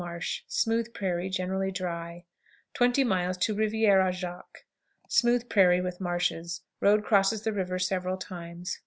Marsh. Smooth prairie, generally dry. 20. "Rivière à Jaques." Smooth prairie, with marshes. Road crosses the river several times.